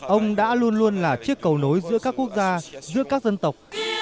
ông đã luôn luôn là chiếc cầu nối giữa các quốc gia giữa các dân tộc